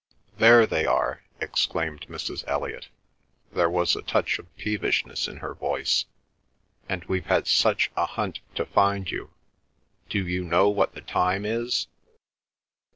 "There they are!" exclaimed Mrs. Elliot. There was a touch of peevishness in her voice. "And we've had such a hunt to find you. Do you know what the time is?"